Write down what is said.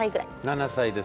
７歳ですね。